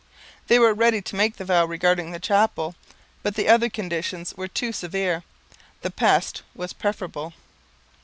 They were ready to make the vow regarding the chapel, but the other conditions were too severe the pest was preferable.